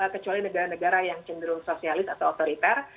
kecuali negara negara yang cenderung sosialis atau otoriter